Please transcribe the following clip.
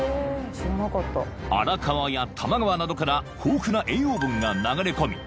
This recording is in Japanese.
［荒川や多摩川などから豊富な栄養分が流れ込み